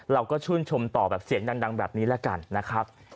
เราก็ชื่นชมต่อแบบเสียงดังแบบนี้แล้วกันนะครับ